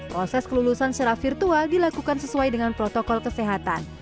proses kelulusan secara virtual dilakukan sesuai dengan protokol kesehatan